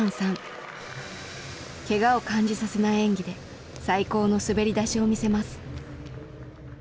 ケガを感じさせない演技で最高の滑り出しを見せます。